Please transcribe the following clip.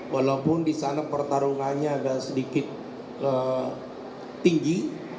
walaupun disana pertarungannya agak sedikit tinggi